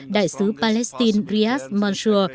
đại sứ palestine riyad mansour